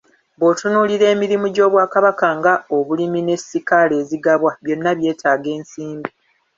Bw'otunuulira emirimu gy'Obwakabaka nga; obulimi ne ssikaala ezigabwa, byonna byetaaga ensimbi.